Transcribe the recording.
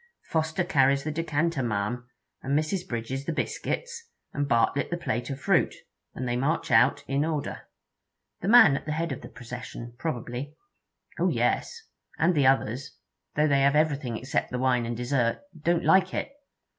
'Foster carries the decanter, ma'am, and Mrs. Bridges the biscuits, and Bartlett the plate of fruit, and they march out in order.' 'The man at the head of the procession, probably.' 'Oh yes. And the others, though they have everything except the wine and dessert, don't like it.